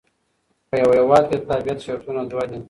په یوه هیواد کښي د تابیعت شرطونه دوه دي.